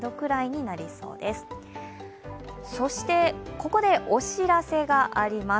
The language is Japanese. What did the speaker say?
ここでお知らせがあります。